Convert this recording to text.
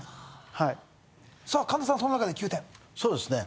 はいさあ神田さんそんな中で９点そうですね